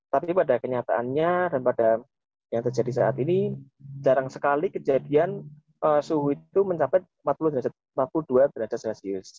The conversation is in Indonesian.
tapi pada kenyataannya dan pada yang terjadi saat ini jarang sekali kejadian suhu itu mencapai empat puluh dua derajat celcius